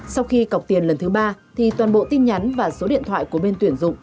sau khi cọc tiền lần thứ ba thì toàn bộ tin nhắn và số điện thoại của bên tuyển dụng